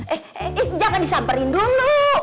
eh jangan disamperin dulu